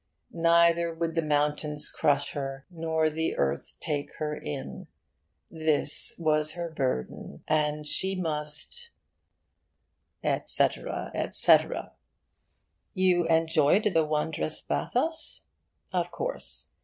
Neither would the mountains crush her, nor the earth take her in. This was her burden, and she must,' etc., etc. You enjoyed the wondrous bathos? Of course.